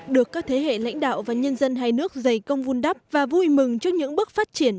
được các thế hệ lãnh đạo và nhân dân hai nước dày công vun đắp và vui mừng trước những bước phát triển